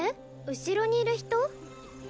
後ろにいる人？